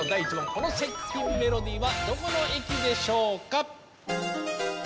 この接近メロディはどこの駅でしょうか？